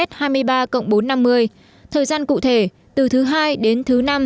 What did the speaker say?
thời gian cụ thể từ thứ hai đến thứ năm